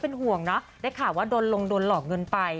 เพื่อห่วงนะได้ข่าวว่าลงดนหลอกเงินไป